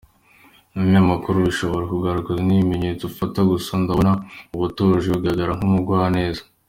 Umunyamakuru: bishobora kugaragazwa n’ibyemezo ufata gusa ndabona ubu utuje, ugaragara nk’umugwaneza.